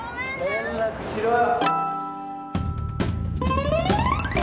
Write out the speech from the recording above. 連絡しろよ。